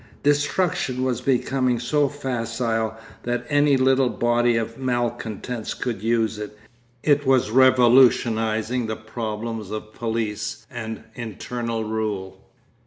Destruction was becoming so facile that any little body of malcontents could use it; it was revolutionising the problems of police and internal rule.